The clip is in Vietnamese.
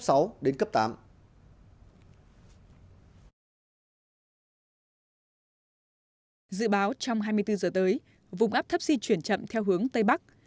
dự báo trong hai mươi bốn giờ tới vùng áp thấp di chuyển chậm theo hướng tây bắc